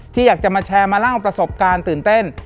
อยากจะมาแชร์มาเล่าประสบการณ์ตื่นเต้น